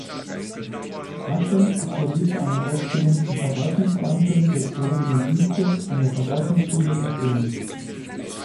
Raschen absolvierte eine Ausbildung zum Verwaltungsbeamten des gehobenen Dienstes an der Verwaltungsschule in Bremen.